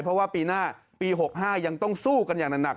เพราะว่าปีหน้าปี๖๕ยังต้องสู้กันอย่างหนัก